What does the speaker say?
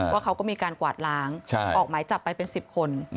ว่าเขาก็มีการกวาดล้างออกหมายจับไปเป็น๑๐คน